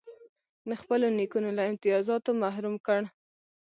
د خپلو نیکونو له امتیازاتو محروم کړ.